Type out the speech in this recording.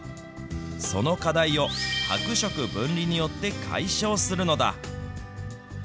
その課題を、泊食分離によって解消するのだ。